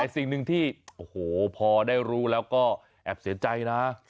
สิ่งหนึ่งที่โอ้โหพอได้รู้แล้วก็แอบเสียใจนะ